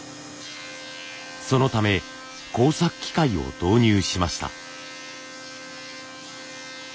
そのため工作機械を導入しました。